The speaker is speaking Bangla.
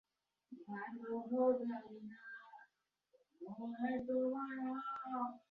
তিনি সেসময় অন্যান্য মৃতদের সাথে শুয়ে মৃত হওয়ার ভান করে বেঁচে যান।